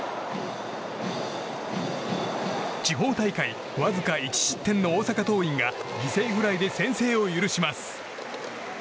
地方大会わずか１失点の大阪桐蔭が犠牲フライで先制を許します。